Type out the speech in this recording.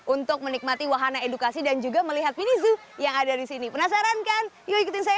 untuk menikmati wahana edukasi dan juga melihat mini zoo yang ada di sini penasaran kan yuk ikutin saya